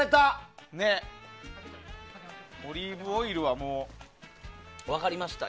オリーブオイルは分かりました。